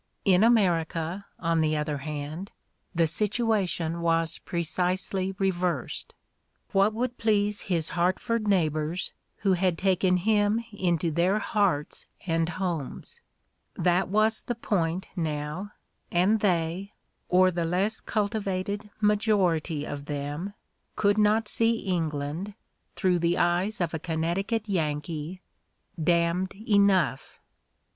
In America, on the other hand, the situation was precisely reversed. What would please his Hartford neighbors, who had taken him into their hearts and homes? — that was the point now; and they, or the less cultivated majority of them, could not see England, through the eyes of a Con ' necticut Yankee, damned enough!